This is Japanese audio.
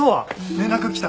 連絡来た？